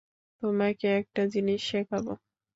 তোমাকে একটা জিনিস শেখাব।